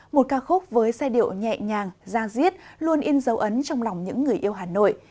một ca khúc với giai điệu nhẹ nhàng gia diết luôn in dấu ấn trong lòng những người yêu hà nội